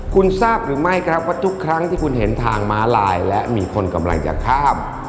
คุณทราบหรือไม่ครับว่าทุกครั้งที่คุณเห็นทางม้าลายและมีคนกำลังจะข้าม